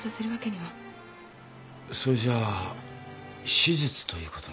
それじゃあ手術ということに？